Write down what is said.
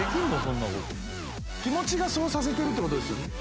気持ちがそうさせてるってことですよね。